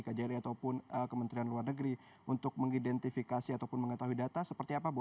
kjri ataupun kementerian luar negeri untuk mengidentifikasi ataupun mengetahui data seperti apa bu